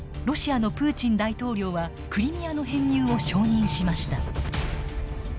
ロシアのプーチン大統領はクリミアの編入を承認しました。